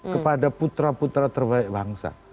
kepada putra putra terbaik bangsa